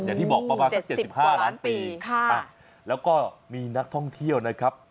อย่างที่บอกประมาณสักเจ็ดสิบห้าร้านปีค่ะแล้วก็มีนักท่องเที่ยวนะครับ